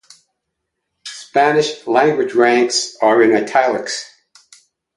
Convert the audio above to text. Spanish language ranks are in italics.